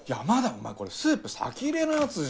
お前これスープ先入れのやつじゃん。